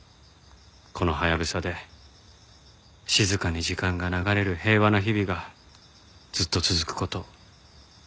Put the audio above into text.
このハヤブサで静かに時間が流れる平和な日々がずっと続く事を。